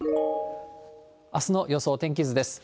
あすの予想天気図です。